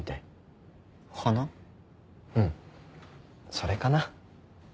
うん。それかな。